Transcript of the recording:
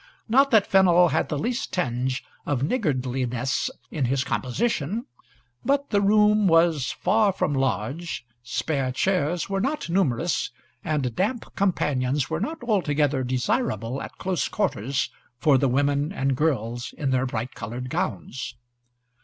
Not that Fennel had the least tinge of niggardliness in his composition, but the room was far from large, spare chairs were not numerous, and damp companions were not altogether comfortable at close quarters for the women and girls in their bright coloured gowns.